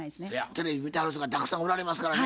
テレビ見てはる人がたくさんおられますからね